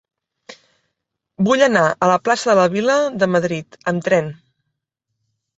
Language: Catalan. Vull anar a la plaça de la Vila de Madrid amb tren.